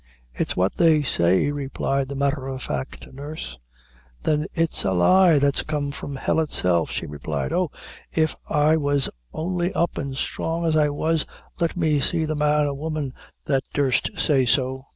"It's what they say," replied the matter of fact nurse. "Then it's a lie that's come from hell itself," she replied "Oh, if I was only up and strong as I was, let me see the man or woman that durst say so.